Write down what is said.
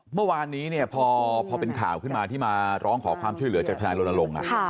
เมื่อวานนี้เนี่ยพอเป็นข่าวขึ้นมาที่มาร้องขอความช่วยเหลือจากทนายรณรงค์